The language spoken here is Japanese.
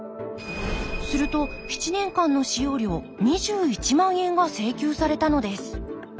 すると７年間の使用料２１万円が請求されたのです